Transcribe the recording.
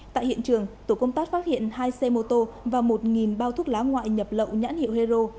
tại hiện trường tổ công tác phát hiện hai xe mô tô và một bao thuốc lá ngoại nhập lậu nhãn hiệu hero